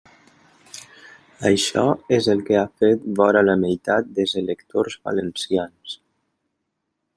Això és el que ha fet vora la meitat dels electors valencians.